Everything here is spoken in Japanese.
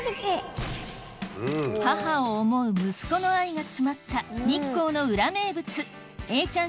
母を思う息子の愛が詰まった日光の裏名物えーちゃん